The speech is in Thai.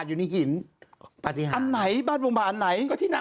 เมื่อกี้มันครบป๊อป